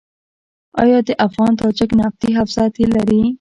آیا د افغان تاجک نفتي حوزه تیل لري؟